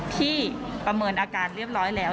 พี่ประเมินอาการเรียบร้อยแล้ว